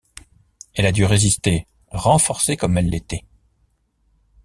Elle a dû résister, renforcée comme elle l’était!